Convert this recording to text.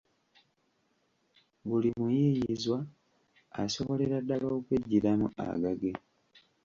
buli muyiiyizwa asobolera ddala okweggyiramu agage